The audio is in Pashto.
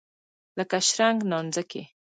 لکه شرنګ نانځکې.